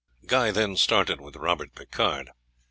Guy then started with Robert Picard.